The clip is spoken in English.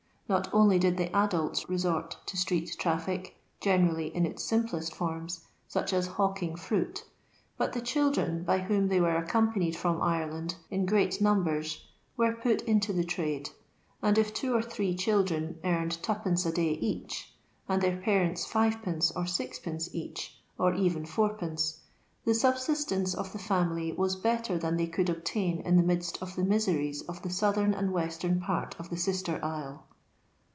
Not only did tKe adulu i«eort to streeMnfiic, lenenlly in its rimpleflt fbrmi, such as hawking fruit, but the children, by whom they were ac companied from Ireland, in great numbers, were put into the trade ; and if two or three children earned 2d. a day each, and their parents M, or 6</. each, or even \d,, the subsistence of the fiunily was better than they could obtain in the midst of the miseries of the southern and western part of the Sister Isle.